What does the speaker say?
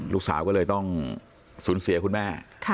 ลูกสาวก็เลยต้องสูญเสียคุณแม่